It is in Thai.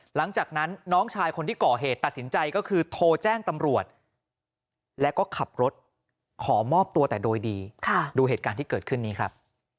หลังจากนั้นน้องชายคนที่ก่อเหตุตัดสินใจก็คือโทรแจ้งตำรวจแล้วก็ขับรถขอมอบตัวแต่โดยดีดูเหตุการณ์ที่เกิดขึ้นนี้ครับ